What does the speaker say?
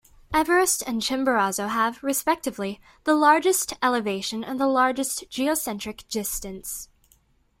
Everest and Chimborazo have, respectively, the largest elevation and the largest geocentric distance.